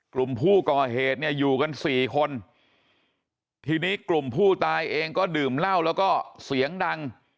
กลุ่มผู้ก่อเหตุเนี่ยอยู่กันสี่คนทีนี้กลุ่มผู้ตายเองก็ดื่มเหล้าแล้วก็เสียงดัง